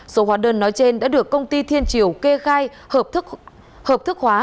số khóa đơn nói trên đã được công ty thiên triều kê khai hợp thức khóa